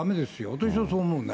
私はそう思うね。